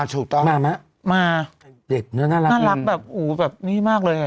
ถูกต้องมาไหมน่ารักแบบอยู่เนี่ยมากเลย